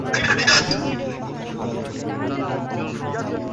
এবং একই সঙ্গে তারা ক্ষমতায় থাকতে নিজস্ব পেশিশক্তির ওপর নির্ভর হতে পারে।